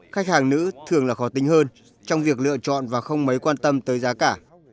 khách hàng nữ thường là khó tính hơn trong việc lựa chọn và không mấy quan tâm tới giá cả